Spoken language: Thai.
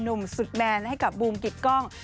หนุ่มสุดแมนให้กับบูมกิกกล้อง